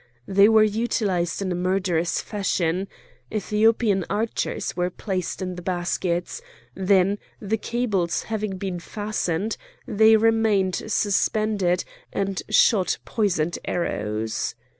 They were utilised in a murderous fashion: Ethiopian archers were placed in the baskets; then, the cables having been fastened, they remained suspended and shot poisoned arrows.